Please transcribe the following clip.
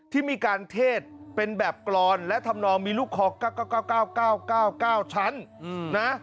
ที่มีการเทศเป็นแบบกรอนและทำนองมีลูกคอ๙๙๙๙๙๙ชั้นนะ